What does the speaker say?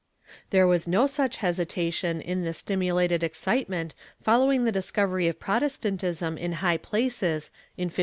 There was no such hesitation in the stimulated excitement follow ing the discovery of Protestantism in high places in 1559.